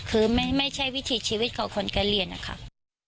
คือไม่ใช่วิถีชีวิตของคนการเรียนนะคะ